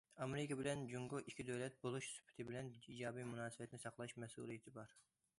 ئامېرىكا بىلەن جۇڭگو ئىككى چوڭ دۆلەت بولۇش سۈپىتى بىلەن، ئىجابىي مۇناسىۋەتنى ساقلاش مەسئۇلىيىتى بار.